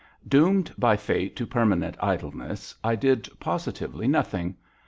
Doomed by fate to permanent idleness, I did positively nothing.